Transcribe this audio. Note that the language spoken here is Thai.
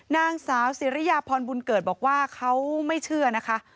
นางสาวสิริยาพรบุญเกิดบอกว่าเขาไม่เชื่อนะคะ